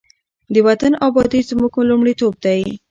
د وطن ابادي زموږ لومړیتوب دی.